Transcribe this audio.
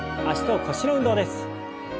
脚と腰の運動です。